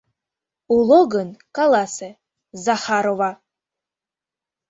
Уло гын, каласе, Захарова!